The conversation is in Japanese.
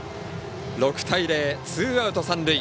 ６対０、ツーアウト、三塁。